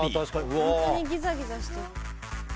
本当にギザギザしてる。